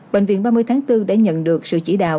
bệnh viện ba mươi tháng bốn đã nhận được sự chỉ đạo